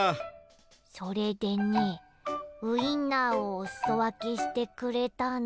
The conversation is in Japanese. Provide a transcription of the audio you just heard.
それでねウインナーをおすそわけしてくれたの。